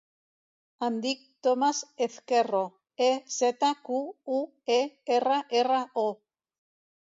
Em dic Thomas Ezquerro: e, zeta, cu, u, e, erra, erra, o.